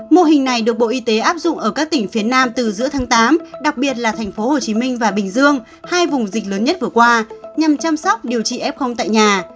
mô hình này được bộ y tế áp dụng ở các tỉnh phía nam từ giữa tháng tám đặc biệt là thành phố hồ chí minh và bình dương hai vùng dịch lớn nhất vừa qua nhằm chăm sóc điều trị f tại nhà